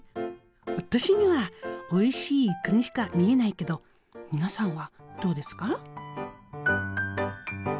私にはおいしいイカにしか見えないけど皆さんはどうですか？